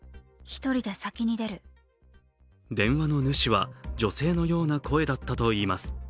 電話の主は女性のような声だったといいます。